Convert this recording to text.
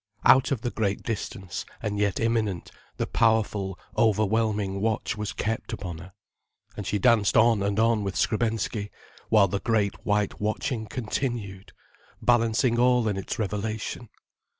Out of the great distance, and yet imminent, the powerful, overwhelming watch was kept upon her. And she danced on and on with Skrebensky, while the great, white watching continued, balancing all in its revelation.